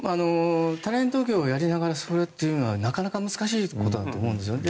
タレント業をやりながらそれはなかなか難しいことだと思うんです。